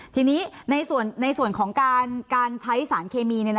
ทีนี้ในส่วนของการใช้สารเคมี